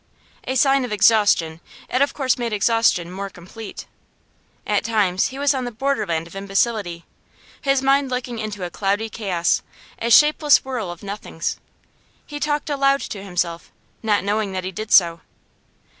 A sign of exhaustion, it of course made exhaustion more complete. At times he was on the border land of imbecility; his mind looked into a cloudy chaos, a shapeless whirl of nothings. He talked aloud to himself, not knowing that he did so.